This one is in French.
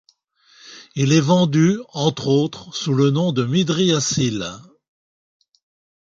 Il est vendu, entre autres, sous le nom de Mydriacyl.